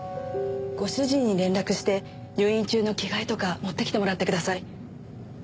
ご主人に連絡して入院中の着替えとか持ってきてもらってください。